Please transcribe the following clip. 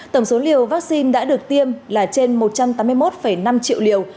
tổng số liều vaccine đã được tiêm là trên một trăm tám mươi một năm triệu liều